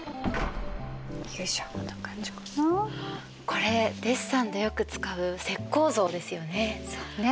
これデッサンでよく使う石こう像ですよね？